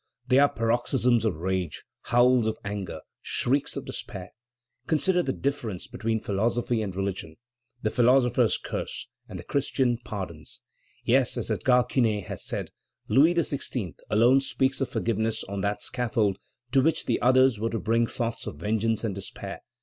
They are paroxysms of rage, howls of anger, shrieks of despair. Consider the difference between philosophy and religion! The philosophers curse, and the Christian pardons. Yes, as Edgar Quinet has said, "Louis XVI. alone speaks of forgiveness on that scaffold to which the others were to bring thoughts of vengeance and despair.